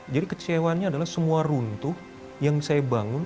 jadi kecewaannya adalah semua runtuh yang saya bangun